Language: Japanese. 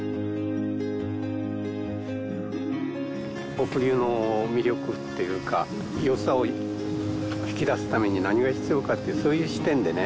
北竜の魅力というか良さを引き出すために何が必要かというそういう視点でね